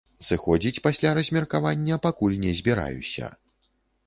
Сыходзіць пасля размеркавання пакуль не збіраюся.